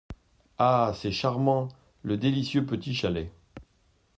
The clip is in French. Ah ! c’est charmant ! le délicieux petit chalet !…